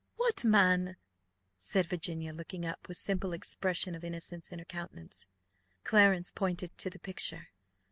"What man?" said Virginia, looking up, with the simple expression of innocence in her countenance. Clarence pointed to the picture.